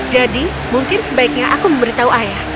jadi mungkin sebaiknya aku memberitahu ayah